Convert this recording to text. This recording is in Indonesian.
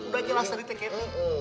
udah jelas tadi teh keti